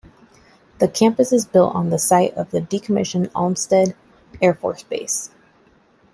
The campus is built on the site of the decommissioned Olmsted Air Force Base.